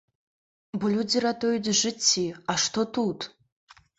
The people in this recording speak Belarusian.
Бо людзі ратуюць жыцці, а што тут?